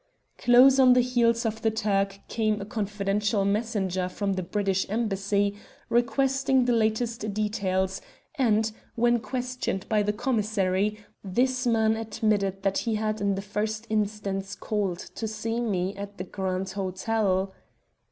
"Close on the heels of the Turk came a confidential messenger from the British Embassy, requesting the latest details, and, when questioned by the commissary, this man admitted that he had in the first instance called to see me at the Grand Hotel.